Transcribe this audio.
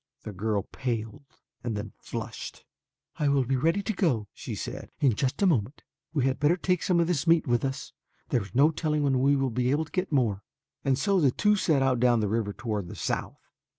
The girl paled and then flushed. "I will be ready to go," she said, "in just a moment. We had better take some of this meat with us. There is no telling when we will be able to get more." And so the two set out down the river toward the south.